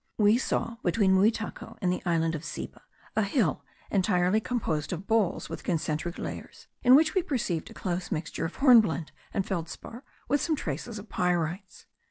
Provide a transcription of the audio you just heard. We saw between Muitaco and the island of Ceiba a hill entirely composed of balls with concentric layers, in which we perceived a close mixture of hornblende and feldspar, with some traces of pyrites.